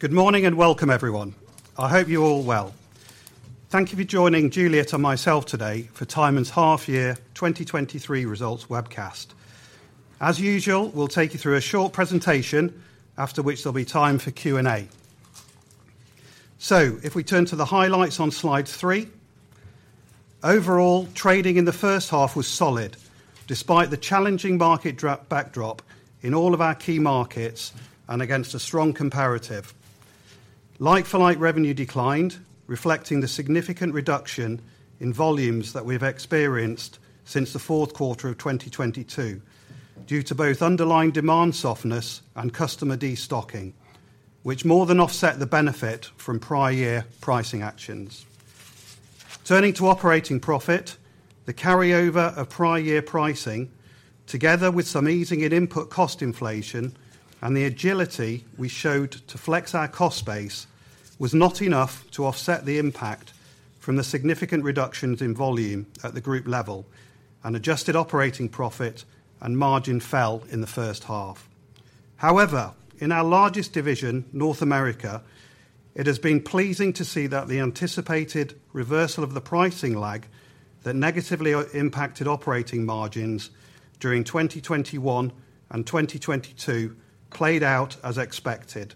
Good morning, and welcome, everyone. I hope you're all well. Thank you for joining Juliet and myself today for Tyman's half year 2023 results webcast. As usual, we'll take you through a short presentation, after which there'll be time for Q&A. If we turn to the highlights on slide 3, overall, trading in the first half was solid, despite the challenging market backdrop in all of our key markets and against a strong comparative. Like-for-like revenue declined, reflecting the significant reduction in volumes that we've experienced since the fourth quarter of 2022, due to both underlying demand softness and customer destocking, which more than offset the benefit from prior year pricing actions. Turning to operating profit, the carryover of prior year pricing, together with some easing in input cost inflation and the agility we showed to flex our cost base, was not enough to offset the impact from the significant reductions in volume at the group level, and adjusted operating profit and margin fell in the first half. However, in our largest division, North America, it has been pleasing to see that the anticipated reversal of the pricing lag that negatively impacted operating margins during 2021 and 2022 played out as expected,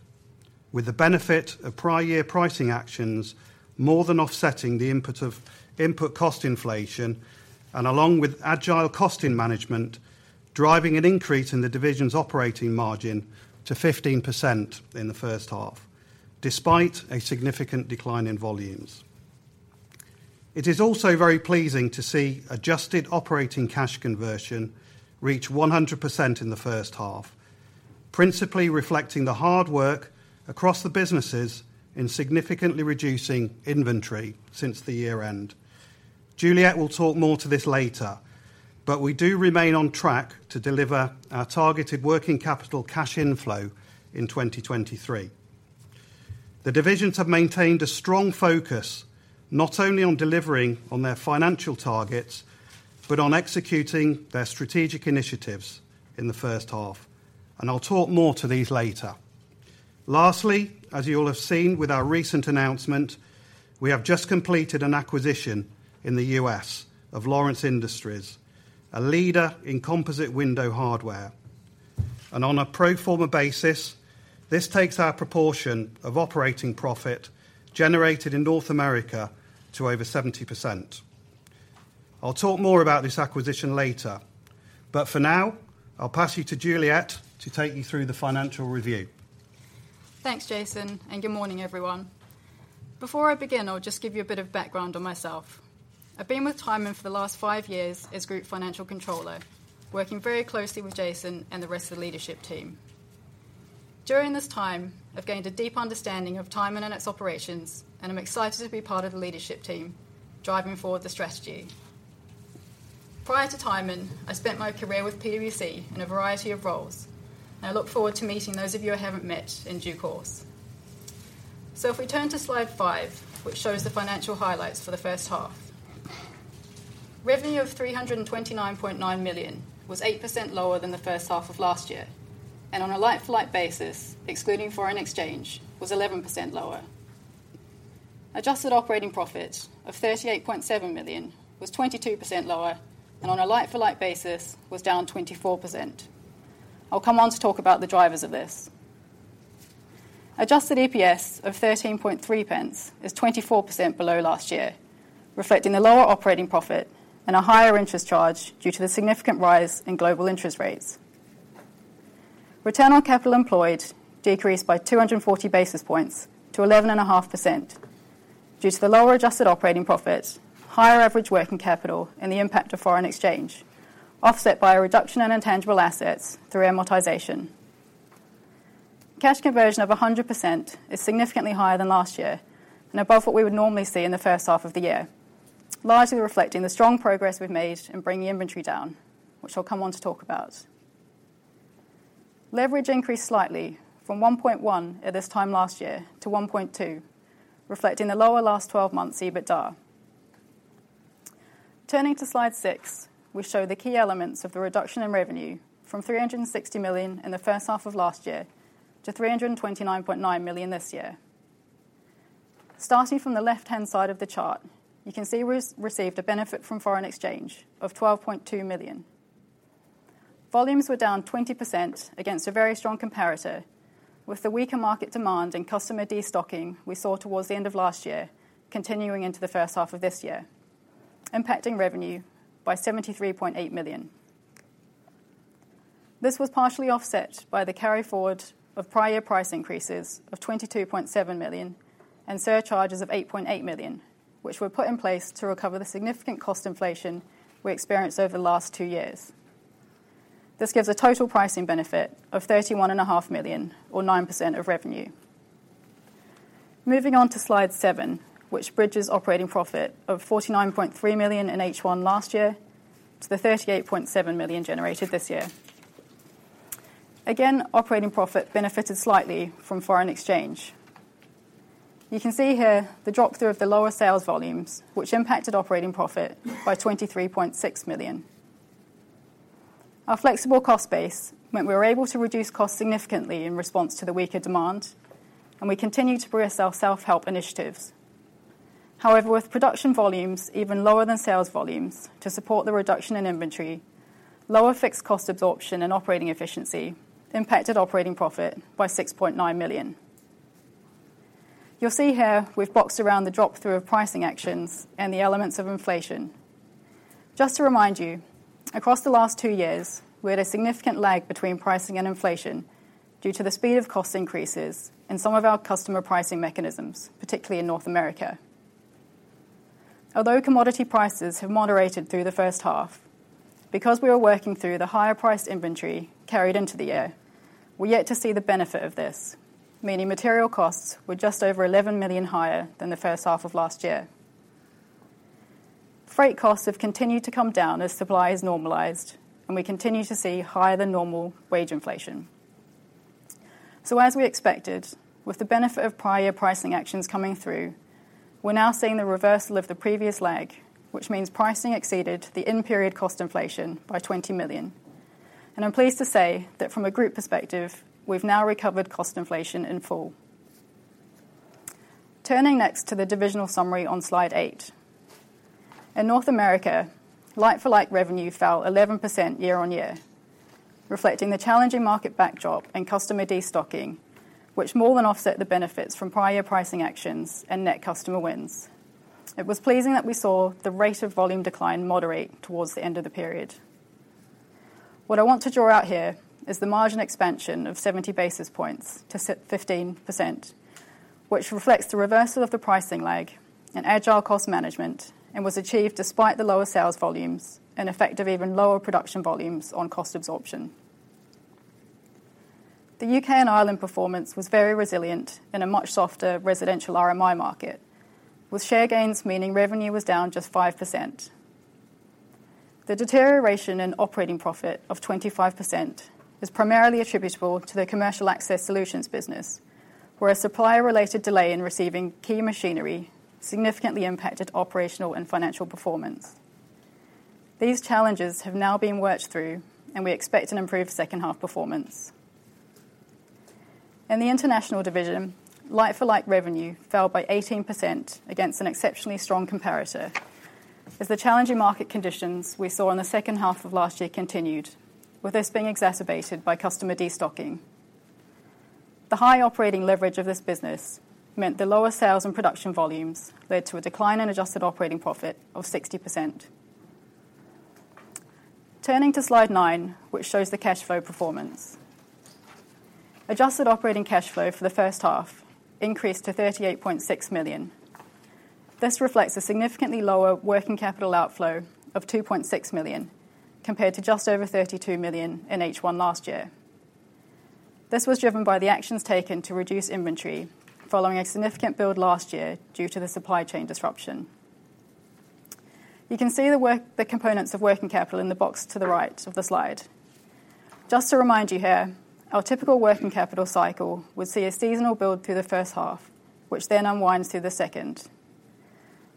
with the benefit of prior year pricing actions more than offsetting the input of input cost inflation, and along with agile costing management, driving an increase in the division's operating margin to 15% in the first half, despite a significant decline in volumes. It is also very pleasing to see adjusted operating cash conversion reach 100% in the first half, principally reflecting the hard work across the businesses in significantly reducing inventory since the year end. Juliet will talk more to this later, but we do remain on track to deliver our targeted working capital cash inflow in 2023. The divisions have maintained a strong focus not only on delivering on their financial targets, but on executing their strategic initiatives in the first half, and I'll talk more to these later. Lastly, as you all have seen with our recent announcement, we have just completed an acquisition in the U.S. of Lawrence Industries, a leader in composite window hardware. On a pro forma basis, this takes our proportion of operating profit generated in North America to over 70%. I'll talk more about this acquisition later, but for now, I'll pass you to Juliet to take you through the financial review. Thanks, Jason, and good morning, everyone. Before I begin, I'll just give you a bit of background on myself. I've been with Tyman for the last five years as Group Financial Controller, working very closely with Jason and the rest of the leadership team. During this time, I've gained a deep understanding of Tyman and its operations, and I'm excited to be part of the leadership team, driving forward the strategy. Prior to Tyman, I spent my career with PwC in a variety of roles, and I look forward to meeting those of you I haven't met in due course. If we turn to slide 5, which shows the financial highlights for the first half. Revenue of 329.9 million was 8% lower than the first half of last year, and on a like-for-like basis, excluding foreign exchange, was 11% lower. Adjusted operating profit of 38.7 million was 22% lower, and on a like-for-like basis, was down 24%. I'll come on to talk about the drivers of this. Adjusted EPS of 0.133 is 24% below last year, reflecting a lower adjusted operating profit and a higher interest charge due to the significant rise in global interest rates. Return on capital employed decreased by 240 basis points to 11.5% due to the lower adjusted operating profit, higher average working capital, and the impact of foreign exchange, offset by a reduction in intangible assets through amortization. Cash conversion of 100% is significantly higher than last year and above what we would normally see in the first half of the year, largely reflecting the strong progress we've made in bringing inventory down, which I'll come on to talk about. Leverage increased slightly from 1.1 at this time last year to 1.2, reflecting the lower last 12 months EBITDA. Turning to Slide 6, we show the key elements of the reduction in revenue from 360 million in the first half of last year to 329.9 million this year. Starting from the left-hand side of the chart, you can see we received a benefit from foreign exchange of 12.2 million. Volumes were down 20% against a very strong comparator, with the weaker market demand and customer destocking we saw towards the end of last year continuing into the first half of this year, impacting revenue by 73.8 million. This was partially offset by the carryforward of prior price increases of 22.7 million and surcharges of 8.8 million, which were put in place to recover the significant cost inflation we experienced over the last two years. This gives a total pricing benefit of thirty-one and a half million, or 9% of revenue. Moving on to slide 7, which bridges operating profit of 49.3 million in H1 last year to the 38.7 million generated this year. Again, operating profit benefited slightly from foreign exchange. You can see here the drop through of the lower sales volumes, which impacted operating profit by 23.6 million. Our flexible cost base meant we were able to reduce costs significantly in response to the weaker demand. We continue to progress our self-help initiatives. However, with production volumes even lower than sales volumes to support the reduction in inventory, lower fixed cost absorption and operating efficiency impacted operating profit by 6.9 million. You'll see here we've boxed around the drop through of pricing actions and the elements of inflation. Just to remind you, across the last two years, we had a significant lag between pricing and inflation due to the speed of cost increases in some of our customer pricing mechanisms, particularly in North America. Although commodity prices have moderated through the first half, because we are working through the higher priced inventory carried into the year, we're yet to see the benefit of this, meaning material costs were just over 11 million higher than the first half of last year. Freight costs have continued to come down as supply is normalized. We continue to see higher than normal wage inflation. As we expected, with the benefit of prior pricing actions coming through, we're now seeing the reversal of the previous lag, which means pricing exceeded the in-period cost inflation by 20 million. I'm pleased to say that from a group perspective, we've now recovered cost inflation in full. Turning next to the divisional summary on slide 8. In North America, like-for-like revenue fell 11% year-on-year, reflecting the challenging market backdrop and customer destocking, which more than offset the benefits from prior pricing actions and net customer wins. It was pleasing that we saw the rate of volume decline moderate towards the end of the period. What I want to draw out here is the margin expansion of 70 basis points to sit 15%, which reflects the reversal of the pricing lag and agile cost management, and was achieved despite the lower sales volumes and effect of even lower production volumes on cost absorption. The U.K. and Ireland performance was very resilient in a much softer residential RMI market, with share gains, meaning revenue was down just 5%. The deterioration in operating profit of 25% is primarily attributable to the Commercial Access Solutions business, where a supplier-related delay in receiving key machinery significantly impacted operational and financial performance. These challenges have now been worked through, and we expect an improved second half performance. In the International division, like-for-like revenue fell by 18% against an exceptionally strong comparator, as the challenging market conditions we saw in the second half of last year continued, with this being exacerbated by customer destocking. The high operating leverage of this business meant the lower sales and production volumes led to a decline in adjusted operating profit of 60%. Turning to slide 9, which shows the cash flow performance. Adjusted operating cash flow for the first half increased to 38.6 million. This reflects a significantly lower working capital outflow of 2.6 million, compared to just over 32 million in H1 last year. This was driven by the actions taken to reduce inventory following a significant build last year due to the supply chain disruption. You can see the work, the components of working capital in the box to the right of the slide. Just to remind you here, our typical working capital cycle would see a seasonal build through the first half, which then unwinds through the second.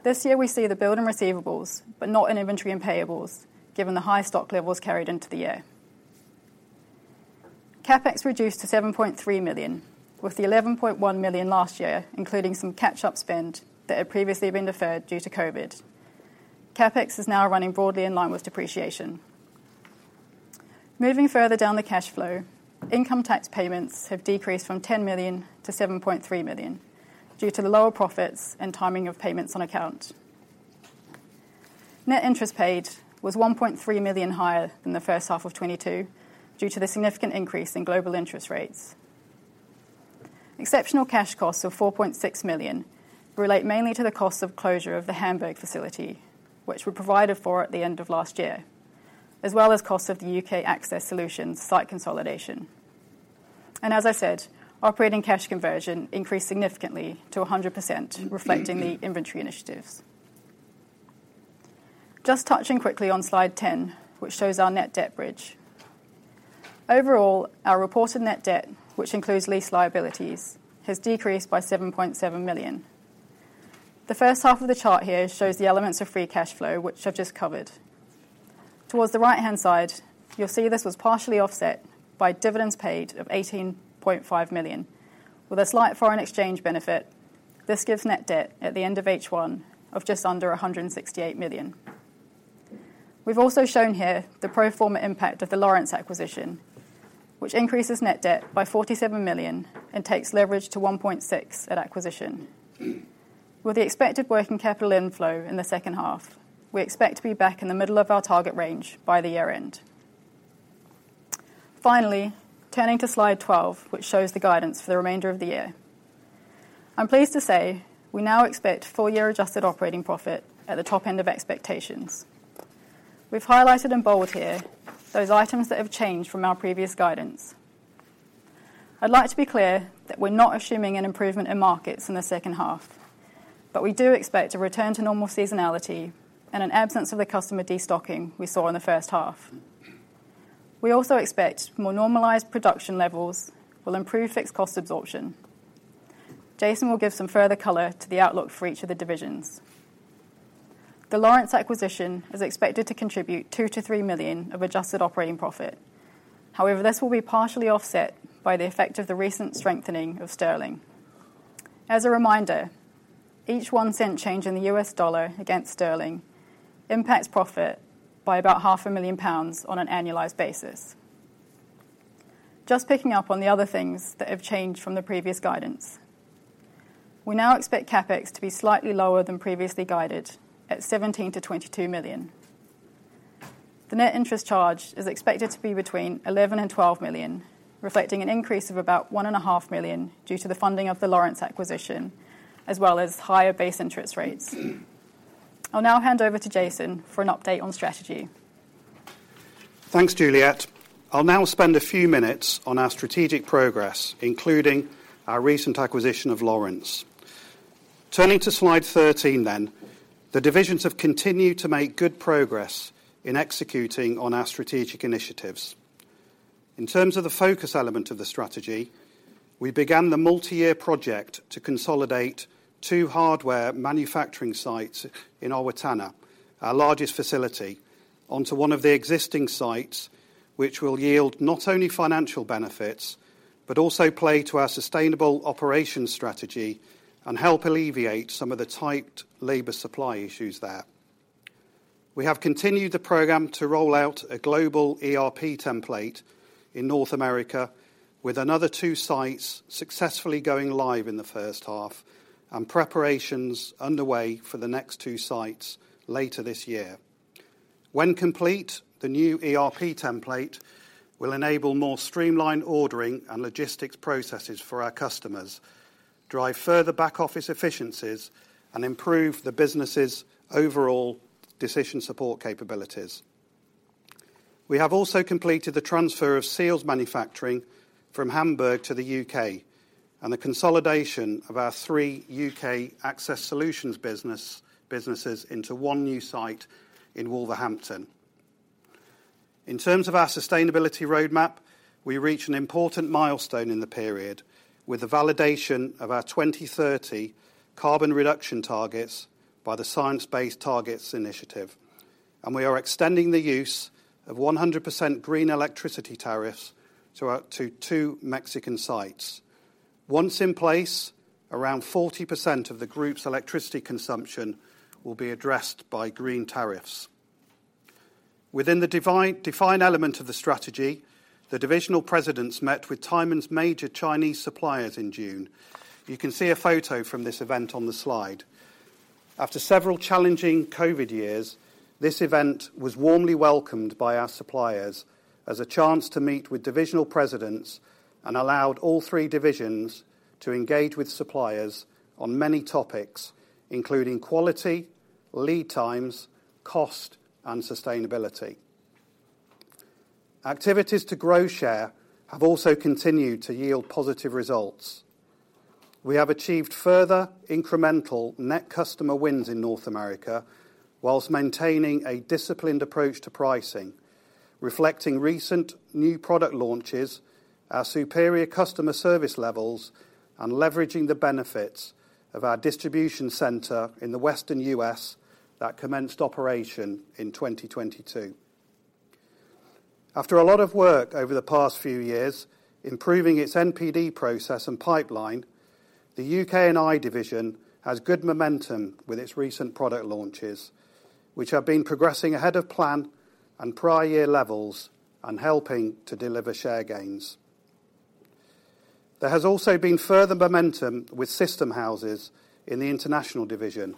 This year, we see the build in receivables, but not in inventory and payables, given the high stock levels carried into the year. CapEx reduced to 7.3 million, with the 11.1 million last year, including some catch-up spend that had previously been deferred due to COVID. CapEx is now running broadly in line with depreciation. Moving further down the cash flow, income tax payments have decreased from 10 million to 7.3 million due to the lower profits and timing of payments on account. Net interest paid was 1.3 million higher than the first half of 2022 due to the significant increase in global interest rates. Exceptional cash costs of 4.6 million relate mainly to the cost of closure of the Hamburg facility, which were provided for at the end of last year, as well as cost of the UK Access Solutions site consolidation. As I said, operating cash conversion increased significantly to 100%, reflecting the inventory initiatives. Just touching quickly on slide 10, which shows our net debt bridge. Overall, our reported net debt, which includes lease liabilities, has decreased by 7.7 million. The first half of the chart here shows the elements of free cash flow, which I've just covered. Towards the right-hand side, you'll see this was partially offset by dividends paid of 18.5 million. With a slight foreign exchange benefit, this gives net debt at the end of H1 of just under 168 million. We've also shown here the pro forma impact of the Lawrence acquisition, which increases net debt by 47 million and takes leverage to 1.6 at acquisition. With the expected working capital inflow in the second half, we expect to be back in the middle of our target range by the year-end. Finally, turning to slide 12, which shows the guidance for the remainder of the year. I'm pleased to say we now expect full year adjusted operating profit at the top end of expectations. We've highlighted in bold here those items that have changed from our previous guidance. I'd like to be clear that we're not assuming an improvement in markets in the second half, but we do expect a return to normal seasonality and an absence of the customer destocking we saw in the first half. We also expect more normalized production levels will improve fixed cost absorption. Jason will give some further color to the outlook for each of the divisions. The Lawrence acquisition is expected to contribute 2 million-3 million of adjusted operating profit. This will be partially offset by the effect of the recent strengthening of sterling. As a reminder, each 1 cent change in the U.S. dollar against sterling impacts profit by about half a million pounds on an annualized basis. Just picking up on the other things that have changed from the previous guidance, we now expect CapEx to be slightly lower than previously guided, at 17 million-22 million. The net interest charge is expected to be between 11 million and 12 million, reflecting an increase of about one and a half million due to the funding of the Lawrence acquisition, as well as higher base interest rates. I'll now hand over to Jason for an update on strategy. Thanks, Juliet. I'll now spend a few minutes on our strategic progress, including our recent acquisition of Lawrence. Turning to slide 13, the divisions have continued to make good progress in executing on our strategic initiatives. In terms of the focus element of the strategy, we began the multi-year project to consolidate two hardware manufacturing sites in Owatonna, our largest facility, onto one of the existing sites, which will yield not only financial benefits, but also play to our sustainable operation strategy and help alleviate some of the tight labor supply issues there. We have continued the program to roll out a global ERP template in North America, with another two sites successfully going live in the first half and preparations underway for the next two sites later this year. When complete, the new ERP template will enable more streamlined ordering and logistics processes for our customers, drive further back office efficiencies, and improve the business's overall decision support capabilities. We have also completed the transfer of seals manufacturing from Hamburg to the UK, and the consolidation of our three UK Access Solutions businesses into one new site in Wolverhampton. In terms of our sustainability roadmap, we reached an important milestone in the period with the validation of our 2030 carbon reduction targets by the Science Based Targets Initiative, and we are extending the use of 100% green electricity tariffs to two Mexican sites. Once in place, around 40% of the group's electricity consumption will be addressed by green tariffs. Within the defined element of the strategy, the divisional presidents met with Tyman's major Chinese suppliers in June. You can see a photo from this event on the slide. After several challenging COVID years, this event was warmly welcomed by our suppliers as a chance to meet with divisional presidents and allowed all three divisions to engage with suppliers on many topics, including quality, lead times, cost, and sustainability. Activities to grow share have also continued to yield positive results. We have achieved further incremental net customer wins in North America, while maintaining a disciplined approach to pricing, reflecting recent new product launches, our superior customer service levels, and leveraging the benefits of our distribution center in the western U.S. that commenced operation in 2022. After a lot of work over the past few years, improving its NPD process and pipeline, the UK and I division has good momentum with its recent product launches, which have been progressing ahead of plan and prior year levels and helping to deliver share gains. There has also been further momentum with system houses in the international division,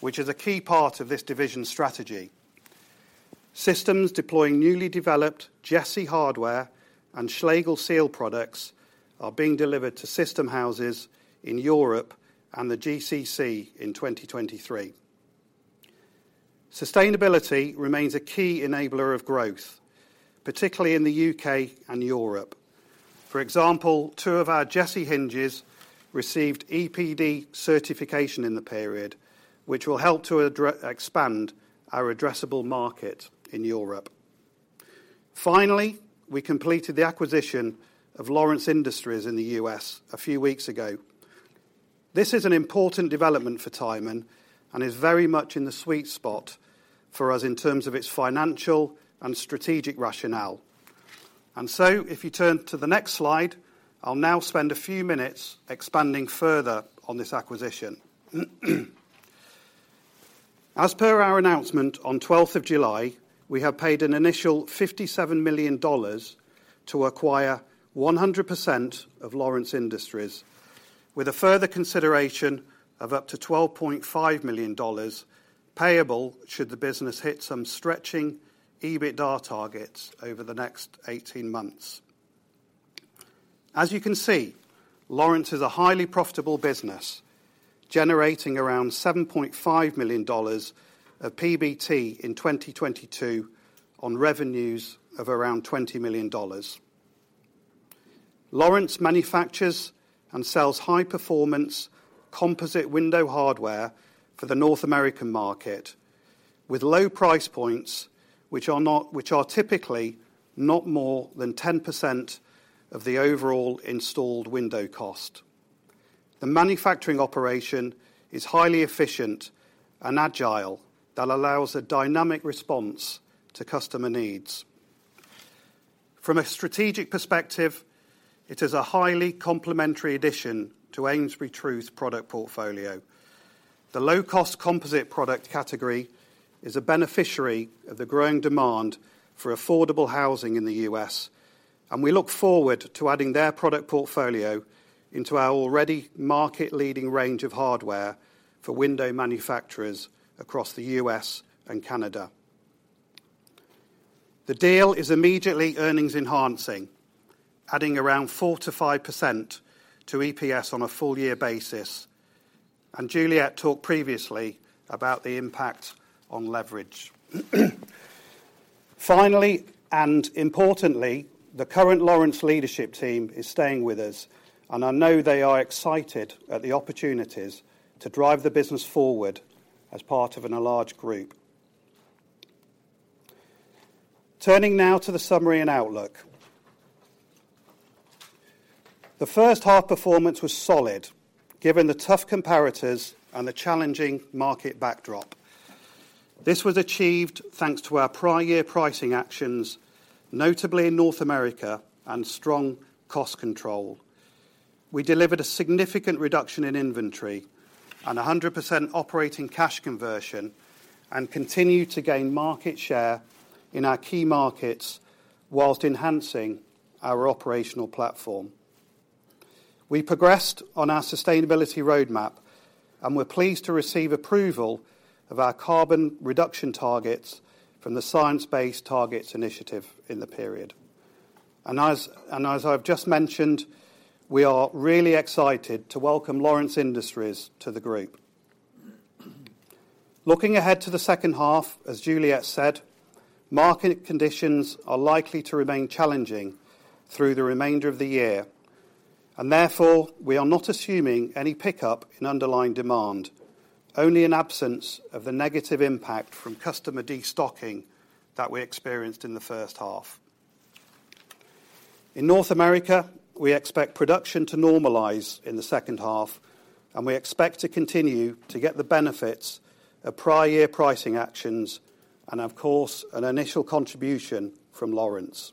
which is a key part of this division's strategy. Systems deploying newly developed Giesse Hardware and Schlegel seal products are being delivered to system houses in Europe and the GCC in 2023. Sustainability remains a key enabler of growth, particularly in the UK and Europe. For example, two of our Giesse hinges received EPD certification in the period, which will help to expand our addressable market in Europe. We completed the acquisition of Lawrence Industries in the U.S., a few weeks ago. This is an important development for Tyman and is very much in the sweet spot for us in terms of its financial and strategic rationale. If you turn to the next slide, I'll now spend a few minutes expanding further on this acquisition. As per our announcement on twelfth of July, we have paid an initial $57 million to acquire 100% of Lawrence Industries, with a further consideration of up to $12.5 million payable should the business hit some stretching EBITDA targets over the next 18 months. As you can see, Lawrence is a highly profitable business, generating around $7.5 million of PBT in 2022 on revenues of around $20 million. Lawrence manufactures and sells high-performance composite window hardware for the North American market.... with low price points, which are typically not more than 10% of the overall installed window cost. The manufacturing operation is highly efficient and agile, that allows a dynamic response to customer needs. From a strategic perspective, it is a highly complementary addition to AmesburyTruth's product portfolio. The low-cost composite product category is a beneficiary of the growing demand for affordable housing in the U.S., we look forward to adding their product portfolio into our already market-leading range of hardware for window manufacturers across the U.S., and Canada. The deal is immediately earnings enhancing, adding around 4%-5% to EPS on a full year basis, Juliet talked previously about the impact on leverage. Finally, importantly, the current Lawrence leadership team is staying with us, and I know they are excited at the opportunities to drive the business forward as part of an enlarged group. Turning now to the summary and outlook. The first half performance was solid, given the tough comparators and the challenging market backdrop. This was achieved thanks to our prior year pricing actions, notably in North America, and strong cost control. We delivered a significant reduction in inventory and 100% operating cash conversion, and continue to gain market share in our key markets while enhancing our operational platform. We progressed on our sustainability roadmap, and we're pleased to receive approval of our carbon reduction targets from the Science Based Targets initiative in the period. As I've just mentioned, we are really excited to welcome Lawrence Industries to the group. Looking ahead to the second half, as Juliet said, market conditions are likely to remain challenging through the remainder of the year. Therefore, we are not assuming any pickup in underlying demand, only an absence of the negative impact from customer destocking that we experienced in the first half. In North America, we expect production to normalize in the second half. We expect to continue to get the benefits of prior year pricing actions and, of course, an initial contribution from Lawrence.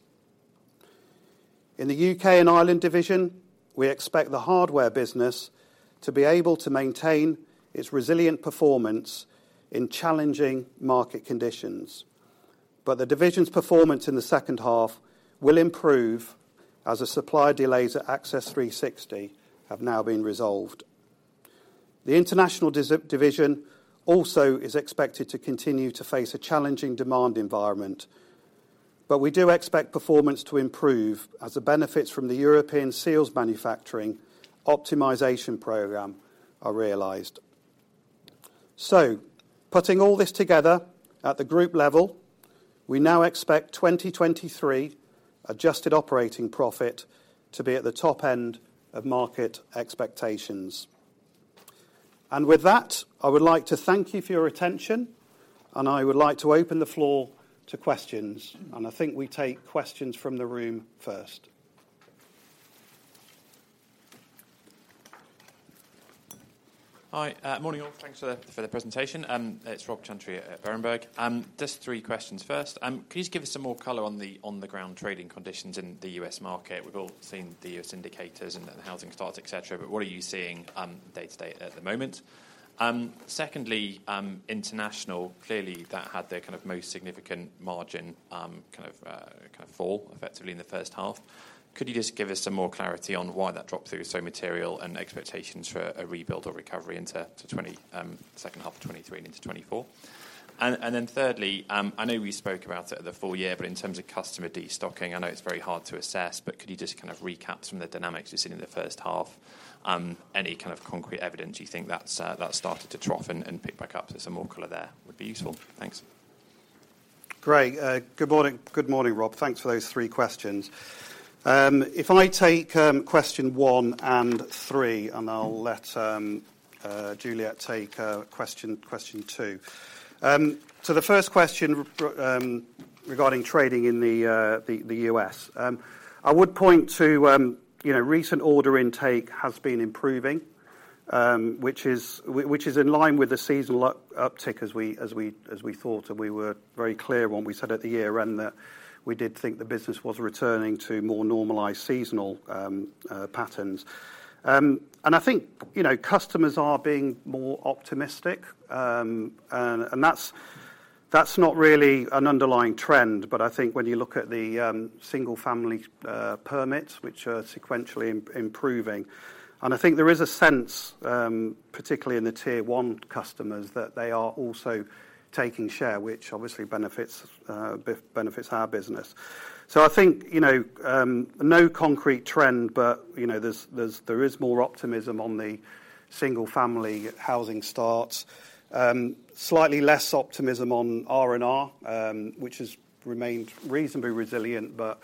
In the UK and Ireland division, we expect the hardware business to be able to maintain its resilient performance in challenging market conditions. The division's performance in the second half will improve as the supply delays at Access 360 have now been resolved. The international division also is expected to continue to face a challenging demand environment. We do expect performance to improve as the benefits from the European sales manufacturing optimization program are realized. Putting all this together, at the group level, we now expect 2023 adjusted operating profit to be at the top end of market expectations. With that, I would like to thank you for your attention, and I would like to open the floor to questions. I think we take questions from the room first. Hi, morning, all. Thanks for the presentation. It's Robert Chantry at Berenberg. Just 3 questions. First, can you just give us some more color on the on-the-ground trading conditions in the U.S. market? We've all seen the U.S. indicators and the housing starts, et cetera. What are you seeing day to day at the moment? Secondly, international. Clearly, that had the most significant margin fall effectively in the first half. Could you just give us some more clarity on why that dropped through so material and expectations for a rebuild or recovery into second half of 2023 and into 2024? Then thirdly, I know we spoke about it at the full year, in terms of customer destocking, I know it's very hard to assess, could you just kind of recap some of the dynamics you've seen in the first half? Any kind of concrete evidence you think that's that started to trough and pick back up? Some more color there would be useful. Thanks. Great. Good morning. Good morning, Rob. Thanks for those three questions. If I take question one and three, and I'll let Juliet take question two. So the first question regarding trading in the U.S. I would point to, you know, recent order intake has been improving, which is in line with the seasonal uptick as we thought, and we were very clear when we said at the year-end that we did think the business was returning to more normalized seasonal patterns. I think, you know, customers are being more optimistic. That's, that's not really an underlying trend, but I think when you look at the single family permits, which are sequentially improving, and I think there is a sense, particularly in the tier one customers, that they are also taking share, which obviously benefits our business. I think, you know, no concrete trend, but, you know, there is more optimism on the single family housing starts. Slightly less optimism on R&R, which has remained reasonably resilient, but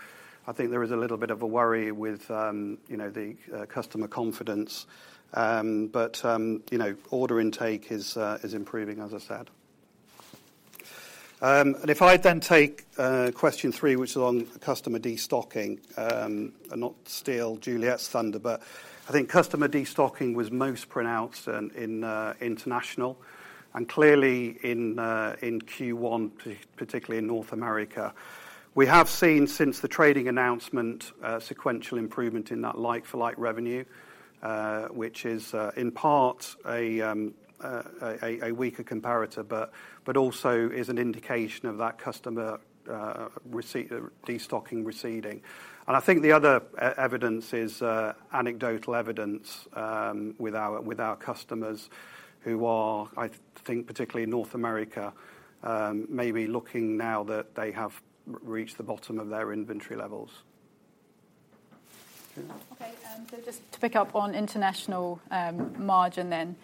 I think there is a little bit of a worry with, you know, the customer confidence. You know, order intake is improving, as I said. If I then take question three, which is on customer destocking, not steal Juliette's thunder, but I think customer destocking was most pronounced in International, clearly in Q1, particularly in North America. We have seen since the trading announcement, sequential improvement in that like-for-like revenue, which is in part a weaker comparator, but also is an indication of that customer destocking receding. I think the other evidence is anecdotal evidence with our customers who are, I think particularly in North America, maybe looking now that they have reached the bottom of their inventory levels. Just to pick up on International margin.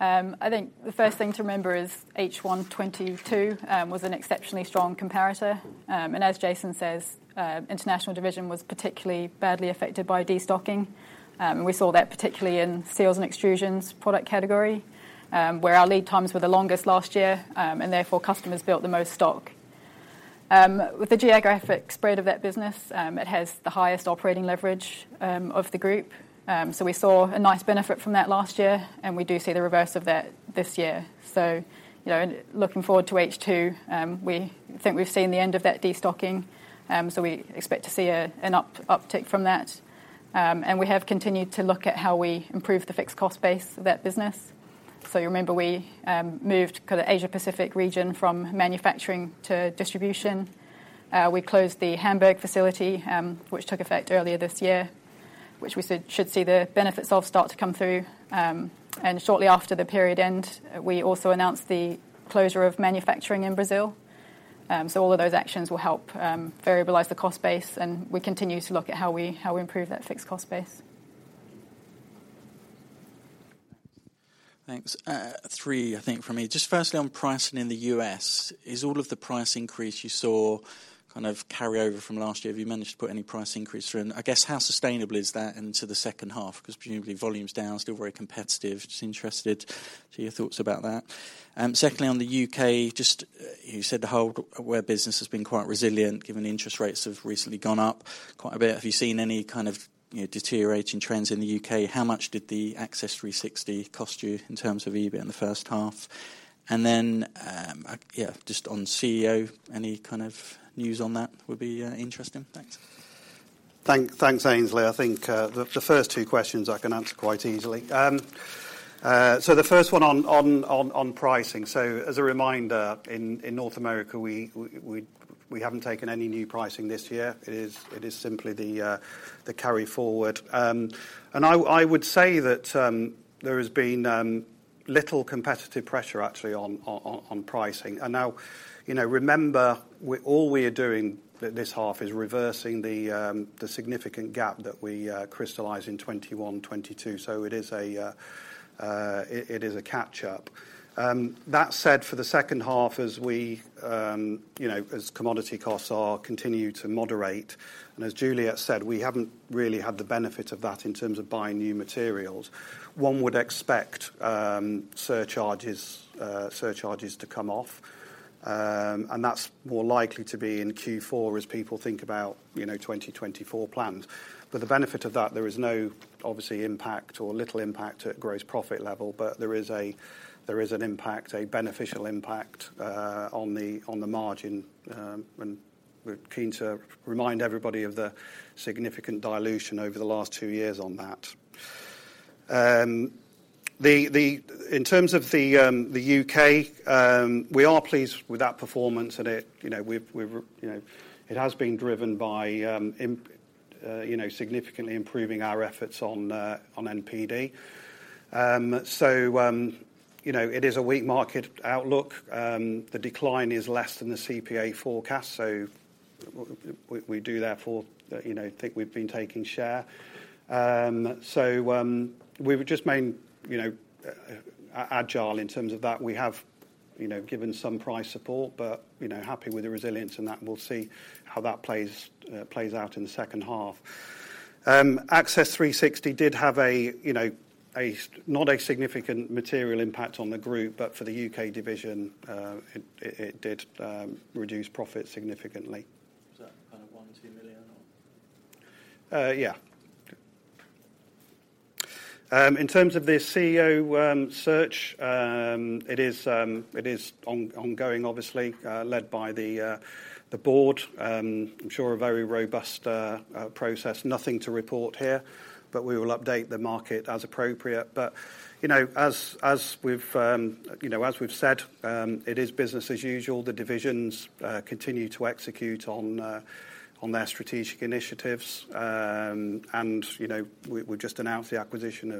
I think the first thing to remember is H1 2022 was an exceptionally strong comparator. As Jason says, International Division was particularly badly affected by destocking. We saw that particularly in seals and extrusions product category, where our lead times were the longest last year, therefore, customers built the most stock. With the geographic spread of that business, it has the highest operating leverage of the group. We saw a nice benefit from that last year, we do see the reverse of that this year. You know, looking forward to H2, we think we've seen the end of that destocking, we expect to see an uptick from that. We have continued to look at how we improve the fixed cost base of that business. You remember we moved kind of Asia Pacific region from manufacturing to distribution. We closed the Hamburg facility, which took effect earlier this year, which we said should see the benefits of start to come through. Shortly after the period end, we also announced the closure of manufacturing in Brazil. All of those actions will help variabilize the cost base, and we continue to look at how we improve that fixed cost base. Thanks. 3, I think for me. Just firstly, on pricing in the U.S., is all of the price increase you saw kind of carry over from last year? Have you managed to put any price increase through? I guess, how sustainable is that into the second half? Because presumably, volume's down, still very competitive. Just interested to your thoughts about that. Secondly, on the U.K., just, you said the whole wear business has been quite resilient, given the interest rates have recently gone up quite a bit. Have you seen any kind of, you know, deteriorating trends in the U.K.? How much did the Access 360 cost you in terms of EBIT in the first half? Yeah, just on CEO, any kind of news on that would be interesting. Thanks. Thanks, Aynsley. I think the first two questions I can answer quite easily. The first one on pricing. As a reminder, in North America, we haven't taken any new pricing this year. It is simply the carry forward. I would say that there has been little competitive pressure, actually, on pricing. Now, you know, remember, all we are doing this half is reversing the significant gap that we crystallize in 2021, 2022. It is a catch up. That said, for the second half, as we, you know, as commodity costs are continue to moderate, and as Juliet said, we haven't really had the benefit of that in terms of buying new materials. One would expect surcharges to come off, and that's more likely to be in Q4 as people think about, you know, 2024 plans. The benefit of that, there is no obviously impact or little impact at gross profit level, but there is an impact, a beneficial impact on the margin. We're keen to remind everybody of the significant dilution over the last 2 years on that. The... In terms of the UK, we are pleased with that performance, and it, you know, we've, you know, it has been driven by, you know, significantly improving our efforts on NPD. You know, it is a weak market outlook. The decline is less than the CPA forecast, so we do therefore, you know, think we've been taking share. We've just been, you know, agile in terms of that. We have, you know, given some price support, but, you know, happy with the resilience and that, we'll see how that plays out in the second half. Access 360 did have a, you know, not a significant material impact on the group, but for the UK division, it did reduce profit significantly. Is that kind of 1 million-2 million or? Yeah. In terms of the CEO search, it is ongoing, obviously, led by the board. I'm sure a very robust process. Nothing to report here, we will update the market as appropriate. You know, as we've, you know, as we've said, it is business as usual. The divisions continue to execute on their strategic initiatives. You know, we just announced the acquisition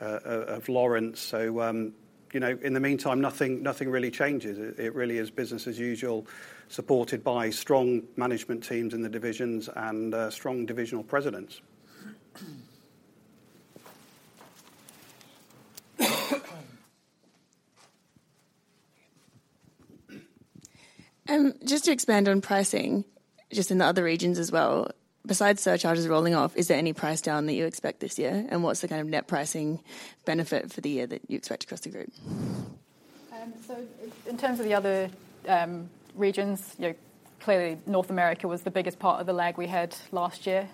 of Lawrence. You know, in the meantime, nothing really changes. It really is business as usual, supported by strong management teams in the divisions and strong divisional presidents.... just to expand on pricing in the other regions as well, besides surcharges rolling off, is there any price down that you expect this year? What's the kind of net pricing benefit for the year that you expect across the group? In terms of the other regions, you know, clearly, North America was the biggest part of the lag we had last year.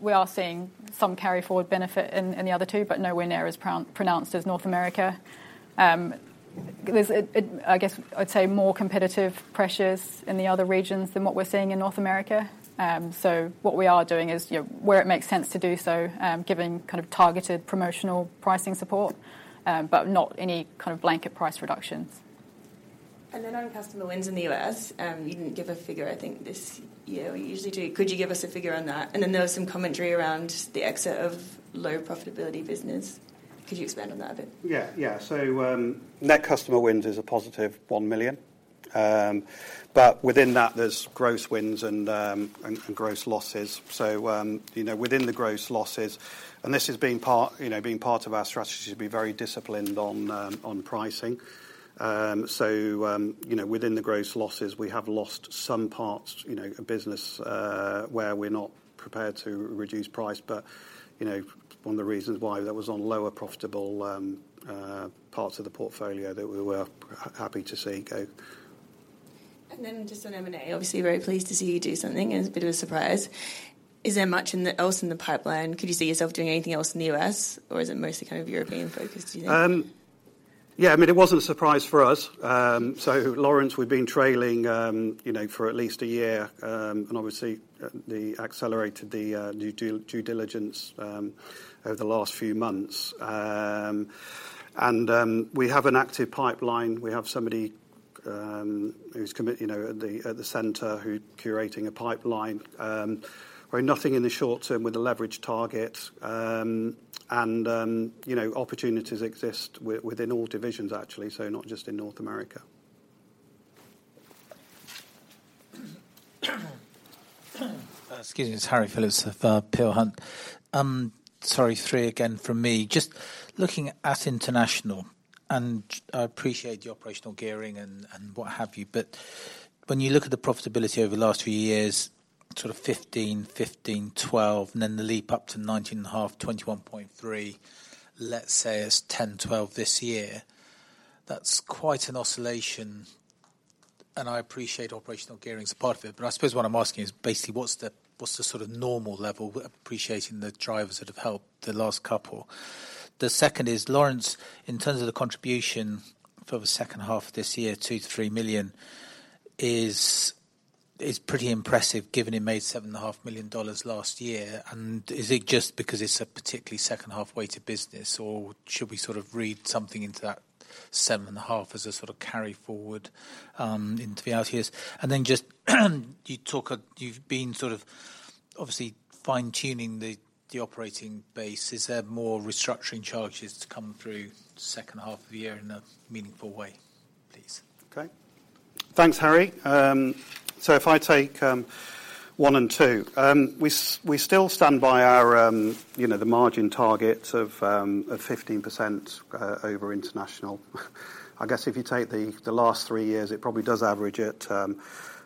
We are seeing some carry forward benefit in the other two, but nowhere near as pronounced as North America. There's, I guess, I'd say more competitive pressures in the other regions than what we're seeing in North America. What we are doing is, you know, where it makes sense to do so, giving kind of targeted promotional pricing support, but not any kind of blanket price reductions. On customer wins in the U.S., you didn't give a figure, I think, this year. We usually do. Could you give us a figure on that? There was some commentary around the exit of low profitability business. Could you expand on that a bit? Yeah, yeah. Net customer wins is a positive 1 million. Within that, there's gross wins and gross losses. You know, within the gross losses. This is being part of our strategy to be very disciplined on pricing. You know, within the gross losses, we have lost some parts, you know, a business where we're not prepared to reduce price. You know, one of the reasons why that was on lower profitable parts of the portfolio that we were happy to see go. Just on M&A, obviously, very pleased to see you do something, and it's a bit of a surprise. Is there much else in the pipeline? Could you see yourself doing anything else in the U.S., or is it mostly kind of European focused, do you think? Yeah, I mean, it wasn't a surprise for us. Lawrence, we've been trailing, you know, for at least a year, and obviously, the accelerated the due diligence over the last few months. We have an active pipeline. We have somebody, who's commit, you know, at the, at the center, who's curating a pipeline, where nothing in the short term with a leverage target. You know, opportunities exist within all divisions, actually, so not just in North America. Excuse me. It's Harry Philips of Peel Hunt. Sorry, three again from me. Just looking at International, and I appreciate the operational gearing and what have you, but when you look at the profitability over the last few years, sort of 15%, 15%, 12%, and then the leap up to 19.5%, 21.3%, let's say it's 10%, 12% this year, that's quite an oscillation, and I appreciate operational gearing is a part of it. I suppose what I'm asking is basically, what's the sort of normal level, appreciating the drivers that have helped the last couple? The second is, Lawrence, in terms of the contribution for the second half of this year, $2 million-$3 million is pretty impressive, given it made $7.5 million last year. Is it just because it's a particularly second half-weighted business, or should we sort of read something into that 7.5 as a sort of carry forward into the out years? Just, you've been sort of obviously fine-tuning the operating base. Is there more restructuring charges to come through the second half of the year in a meaningful way, please? Okay. Thanks, Harry. If I take 1 and 2, we still stand by our, you know, the margin target of 15% over International. I guess if you take the last 3 years, it probably does average at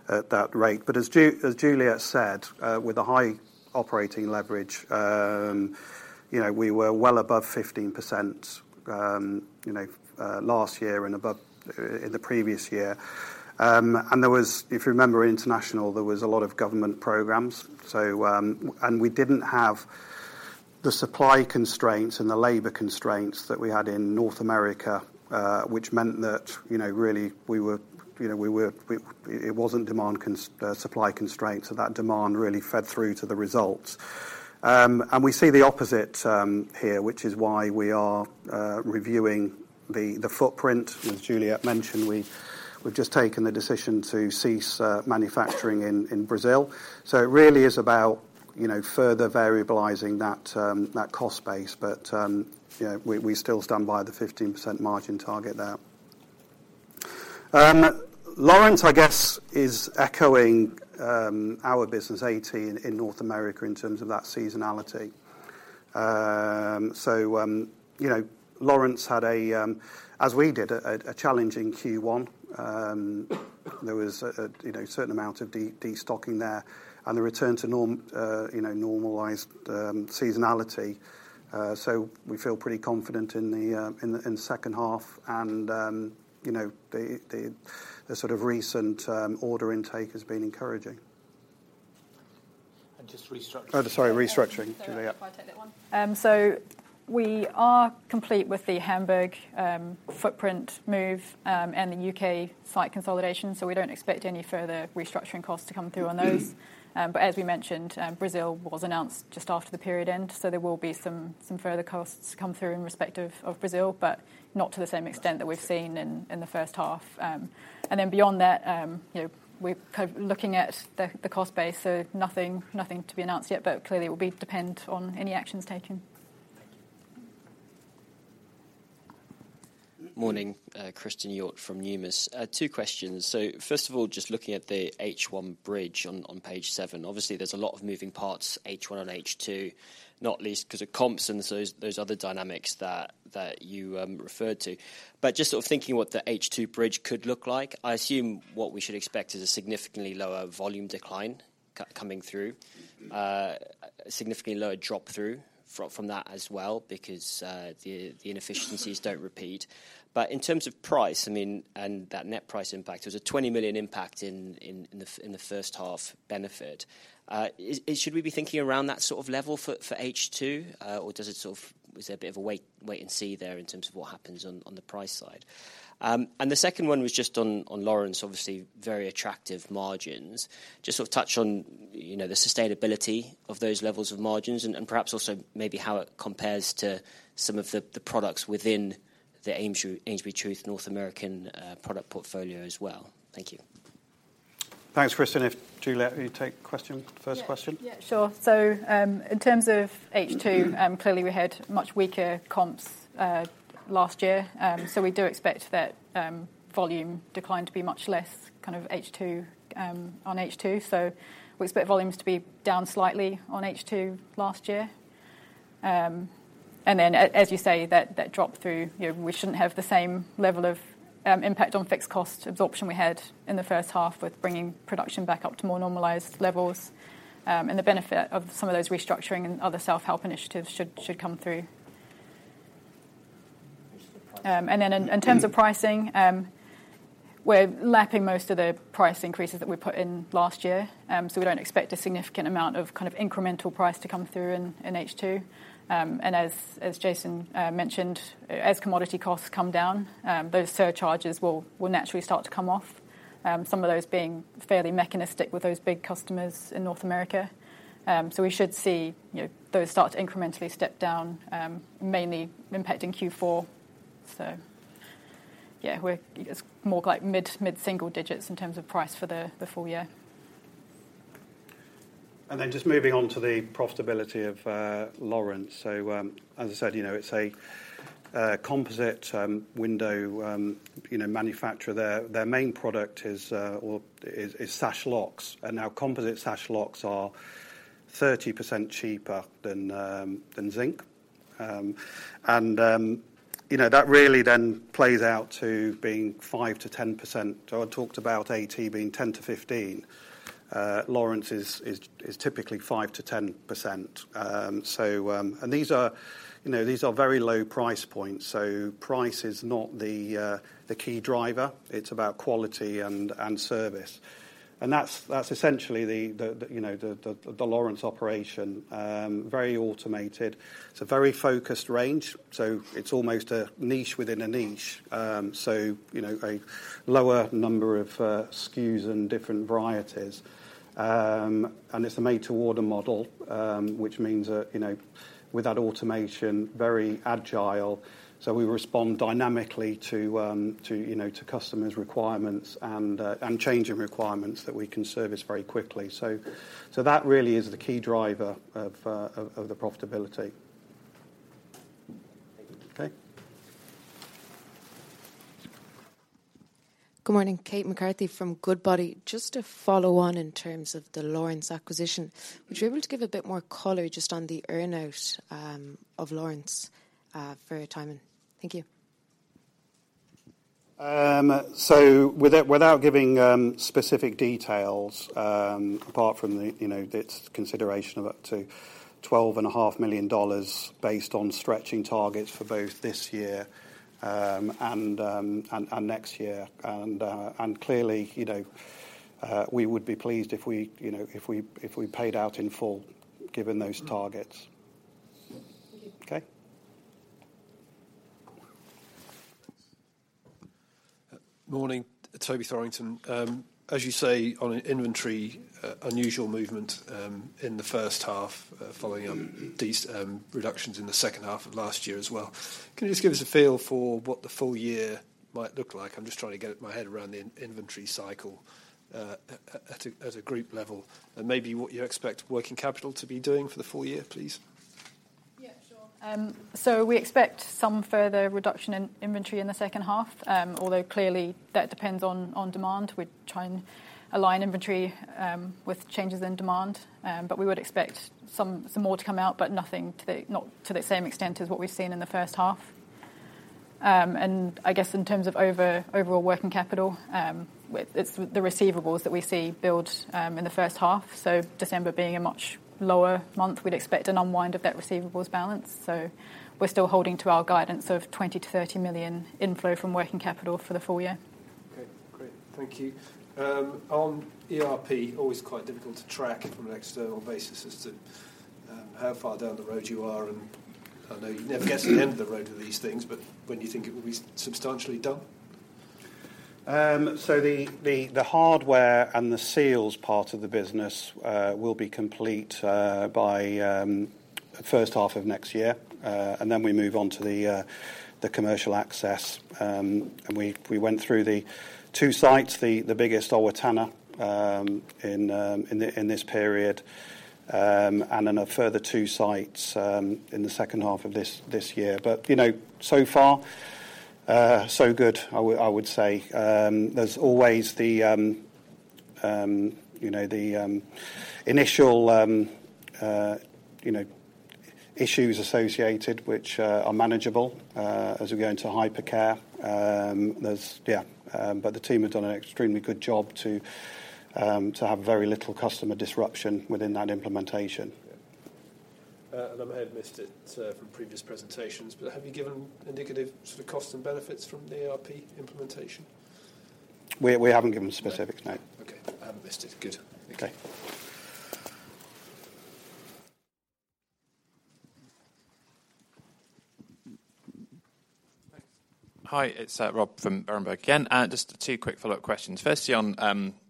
that rate. As Juliet said, with a high operating leverage, you know, we were well above 15%, you know, last year and above in the previous year. There was, if you remember, International, there was a lot of government programs. We didn't have the supply constraints and the labor constraints that we had in North America, which meant that, you know, really we were, you know, we were, it wasn't demand. Supply constraints, that demand really fed through to the results. We see the opposite here, which is why we are reviewing the footprint. As Juliette mentioned, we've just taken the decision to cease manufacturing in Brazil. It really is about, you know, further variabilizing that cost base. We still stand by the 15% margin target there. Lawrence, I guess, is echoing our business 18 in North America in terms of that seasonality. Lawrence had a, as we did, a challenging Q1. There was a certain amount of destocking there and the return to normalized seasonality. We feel pretty confident in the second half. You know, the, the sort of recent order intake has been encouraging. Just restructuring. Oh, sorry, restructuring, Juliet. Yeah, if I take that one. We are complete with the Hamburg footprint move and the UK site consolidation. We don't expect any further restructuring costs to come through on those. As we mentioned, Brazil was announced just after the period end. There will be some further costs to come through in respect of Brazil, but not to the same extent that we've seen in the first half. You know, we're kind of looking at the cost base. Nothing to be announced yet, clearly, it will be dependent on any actions taken. Morning, Christian York from Numis. Two questions. First of all, just looking at the H1 bridge on page 7. Obviously, there's a lot of moving parts, H1 and H2, not least 'cause of comps and those other dynamics that you referred to. Just sort of thinking what the H2 bridge could look like, I assume what we should expect is a significantly lower volume decline coming through, significantly lower drop-through from that as well, because the inefficiencies don't repeat. In terms of price, I mean, and that net price impact, there was a 20 million impact in the first half benefit. Should we be thinking around that sort of level for H2, or does it sort of...? Is there a bit of a wait and see there, in terms of what happens on the price side? The second one was just on Lawrence. Obviously, very attractive margins. Just sort of touch on, you know, the sustainability of those levels of margins and perhaps also maybe how it compares to some of the products within the AmesburyTruth North American product portfolio as well. Thank you. Thanks, Christian. Julie, you take question, first question? Yeah. Yeah, sure. In terms of H2, clearly, we had much weaker comps last year. We do expect that volume decline to be much less, kind of H2 on H2. We expect volumes to be down slightly on H2 last year. As you say, that drop-through, you know, we shouldn't have the same level of impact on fixed cost absorption we had in the first half, with bringing production back up to more normalized levels. The benefit of some of those restructuring and other self-help initiatives should come through. What's the price? In terms of pricing, we're lapping most of the price increases that we put in last year. We don't expect a significant amount of, kind of, incremental price to come through in H2. As Jason mentioned, as commodity costs come down, those surcharges will naturally start to come off, some of those being fairly mechanistic with those big customers in North America. We should see, you know, those start to incrementally step down, mainly impacting Q4. Yeah, we're It's more like mid-single digits in terms of price for the full year. Just moving on to the profitability of Lawrence. As I said, it's a composite window manufacturer. Their main product is sash locks, and now composite sash locks are 30% cheaper than zinc. That really plays out to being 5%-10%. I talked about AT being 10%-15%. Lawrence is typically 5%-10%. These are very low price points, so price is not the key driver. It's about quality and service. That's essentially the Lawrence operation. Very automated. It's a very focused range, so it's almost a niche within a niche. You know, a lower number of SKUs and different varieties. It's a made-to-order model, which means that, you know, with that automation, very agile, we respond dynamically to, you know, to customers' requirements and changing requirements that we can service very quickly. That really is the key driver of the profitability. Thank you. Okay. Good morning. Kate McCarthy from Goodbody. Just to follow on in terms of the Lawrence acquisition, would you be able to give a bit more color just on the earn-out, of Lawrence, for your Tyman? Thank you. Without giving specific details, apart from the, you know, its consideration of up to $12.5 million based on stretching targets for both this year and next year. Clearly, you know, we would be pleased if we paid out in full, given those targets. Thank you. Okay? Morning. Juliette Lours. As you say, on an inventory, unusual movement in the first half, following up these reductions in the second half of last year as well. Can you just give us a feel for what the full year might look like? I'm just trying to get my head around the inventory cycle at a group level, and maybe what you expect working capital to be doing for the full year, please? Yeah, sure. We expect some further reduction in inventory in the second half, although clearly, that depends on demand. We try and align inventory with changes in demand, but we would expect some more to come out, but nothing to the same extent as what we've seen in the first half. I guess, in terms of overall working capital, it's the receivables that we see build in the first half. December being a much lower month, we'd expect an unwind of that receivables balance. We're still holding to our guidance of 20 million-30 million inflow from working capital for the full year. Okay, great. Thank you. On ERP, always quite difficult to track from an external basis as to, how far down the road you are, and I know you never get to the end of the road with these things, but when do you think it will be substantially done? The hardware and the seals part of the business will be complete by the first half of next year. We move on to the commercial access. We went through the 2 sites, the biggest, Owatonna, in this period, and then a further 2 sites in the second half of this year. You know, so far, so good, I would say. There's always the, you know, initial, you know, issues associated, which are manageable as we go into hypercare. The team has done an extremely good job to have very little customer disruption within that implementation. I may have missed it, from previous presentations, but have you given indicative sort of costs and benefits from the ERP implementation? We haven't given specifics, no. Okay. I haven't missed it. Good. Okay. Hi, it's Rob from Berenberg again. Just two quick follow-up questions. Firstly, on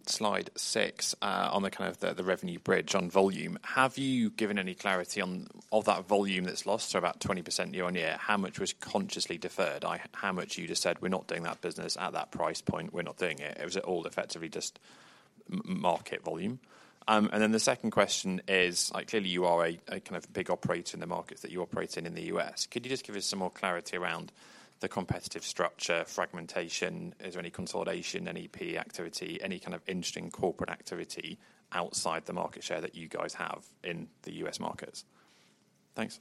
slide 6, on the kind of the revenue bridge on volume, have you given any clarity on of that volume that's lost, so about 20% year-over-year, how much was consciously deferred? How much you just said: "We're not doing that business at that price point. We're not doing it." It was it all effectively just market volume? Then the second question is, like, clearly, you are a kind of big operator in the markets that you operate in the U.S. Could you just give us some more clarity around the competitive structure, fragmentation? Is there any consolidation, any PE activity, any kind of interesting corporate activity outside the market share that you guys have in the U.S. markets? Thanks.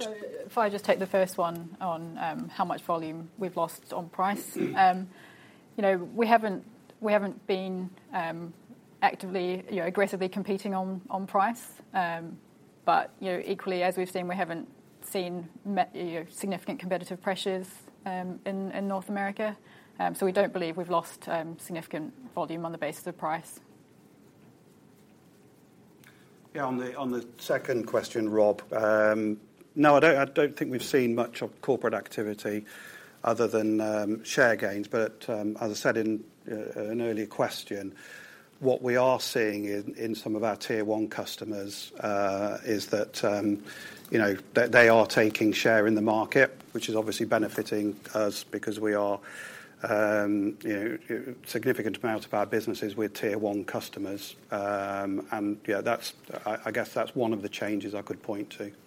If I just take the first one on, how much volume we've lost on price. You know, we haven't been actively, you know, aggressively competing on price. You know, equally, as we've seen, we haven't seen, you know, significant competitive pressures in North America. We don't believe we've lost significant volume on the basis of price. Yeah, on the second question, Rob, no, I don't think we've seen much of corporate activity other than share gains. As I said in an earlier question, what we are seeing in some of our tier one customers is that, you know, they are taking share in the market, which is obviously benefiting us because we are, you know, significant amount of our business is with tier one customers. Yeah, that's, I guess, that's one of the changes I could point to. Thank you. Okay.